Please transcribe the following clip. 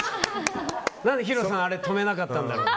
何でヒロさんあれ止めなかったんだろう。